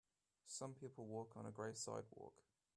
Some people walk on a gray sidewalk